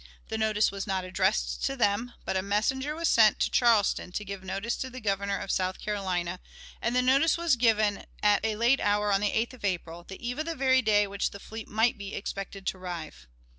The notice was not addressed to them, but a messenger was sent to Charleston to give notice to the Governor of South Carolina, and the notice was so given at a late hour on the 8th of April, the eve of the very day on which the fleet might be expected to arrive.